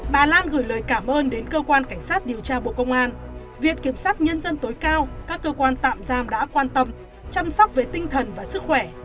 bà lan gửi lời cảm ơn đến cơ quan cảnh sát điều tra bộ công an viện kiểm sát nhân dân tối cao các cơ quan tạm giam đã quan tâm chăm sóc về tinh thần và sức khỏe